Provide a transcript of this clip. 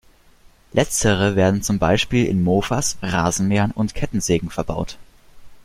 Letztere werden zum Beispiel in Mofas, Rasenmähern und Kettensägen verbaut.